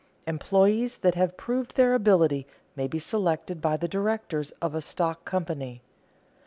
Employees that have proved their ability may be selected by the directors of a stock company.